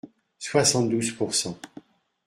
Soixante-douze pour cent.